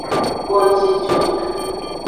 Kpo jijo.